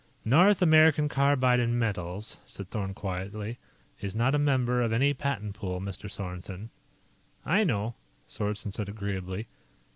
"North American Carbide & Metals," said Thorn quietly, "is not a member of any patent pool, Mr. Sorensen." "I know," Sorensen said agreeably.